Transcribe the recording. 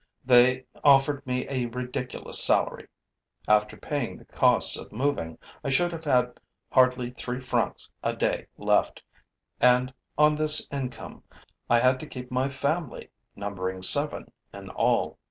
They offered me a ridiculous salary. After paying the costs of moving, I should have had hardly three francs a day left; and, on this income, I had to keep my family, numbering seven in all.